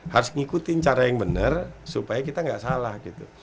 harus ngikutin cara yang benar supaya kita nggak salah gitu